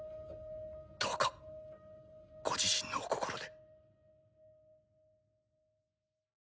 どうかご自身のお心で。